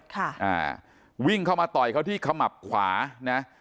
ค่ะอ่าวิ่งเข้ามาต่อยเขาที่ขมับขวานะ